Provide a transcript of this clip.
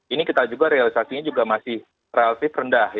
ini kita juga realisasinya juga masih relatif rendah